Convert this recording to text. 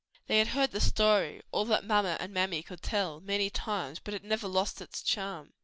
They had heard the story all that mamma and mammy could tell many times, but it never lost its charm.